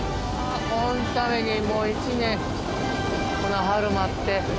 このためにもう一年この春待って。